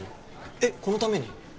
えっこのために？